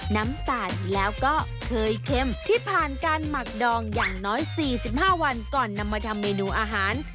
น้ำตาลแล้วก็เคยเค็มที่ผ่านการหมักดองอย่างน้อย๔๕วันก่อนนำมาทำเมนูอาหาร